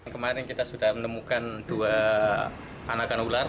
kemarin kita sudah menemukan dua anakan ular